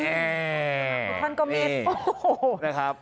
พระท่านก็มีเอ็ดโอ้โหนะครับ